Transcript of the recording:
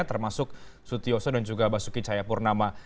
termasuk suti oso dan juga basuki cayapurnama